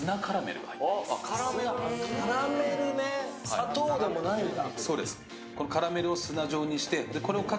砂糖でもないんだ。